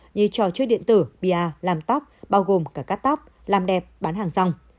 như trò chơi điện tử bia làm tóc bao gồm cả cắt tóc làm đẹp bán hàng rong